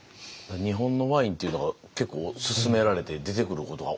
日本のワインっていうのが結構薦められて出てくることが多くなりました。